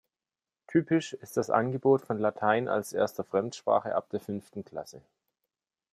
Typisch ist das Angebot von Latein als erster Fremdsprache ab der fünften Klasse.